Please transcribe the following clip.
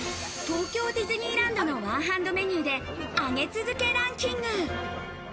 東京ディズニーランドのワンハンドメニューで、上げ続けランキング。